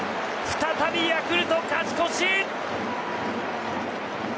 再びヤクルト勝ち越し！